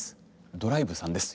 ドライブさんです